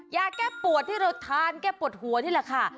ยาแก้ปวดที่เราทานแก้ปวดหัวนี่แหละค่ะ